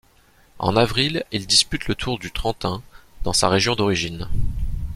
En avril, il dispute le Tour du Trentin, dans sa région d'origine.